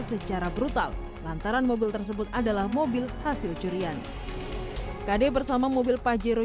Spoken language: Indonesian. secara brutal lantaran mobil tersebut adalah mobil hasil curian kd bersama mobil pajero